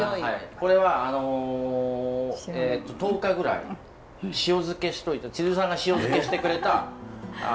これはあの１０日ぐらい塩漬けしといた千鶴さんが塩漬けしてくれたレモンなんですよ。